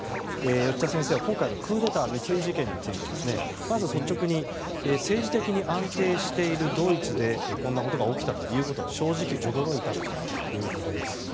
吉田先生は今回のクーデター未遂事件についてまず率直に政治的に安定しているドイツでこんなことが起きたのは正直、驚いたということです。